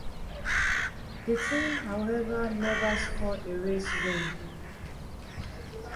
The team however never scored a race win.